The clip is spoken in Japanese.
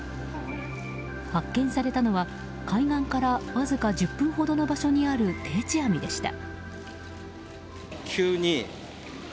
発見されたのは海岸からわずか１０分ほどの場所にある定置網でした。